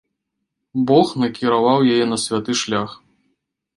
Бог накіраваў яе на святы шлях.